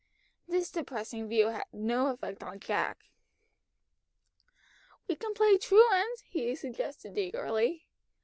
This depressing view had no effect on Jack. "We can play truant," he suggested eagerly.